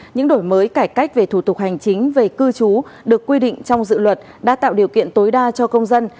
những đổi mới cải cách về thủ tục hành chính về cư trú được quy định trong dự luật đã tạo điều kiện tối đa cho công dân